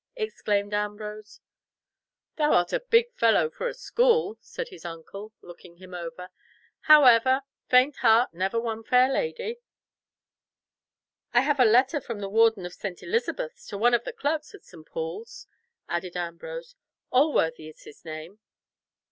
exclaimed Ambrose. "Thou art a big fellow for a school," said his uncle, looking him over. "However, faint heart never won fair lady." "I have a letter from the Warden of St. Elizabeth's to one of the clerks of St. Paul's," added Ambrose. "Alworthy is his name."